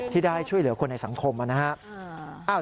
ที่ได้ช่วยเหลือคนในสังคมนะครับ